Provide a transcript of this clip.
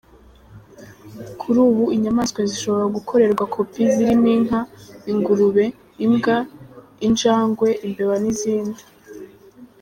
Kuri ubu inyamaswa zishobora gukorerwa kopi zirimo inka, ingurube, imbwa, injangwe, imbeba n’izindi.